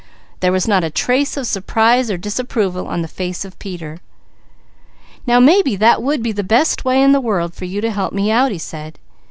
There was not a trace of surprise or disapproval on the face of Peter. "Now maybe that would be the best way in the world for you to help me out," he said.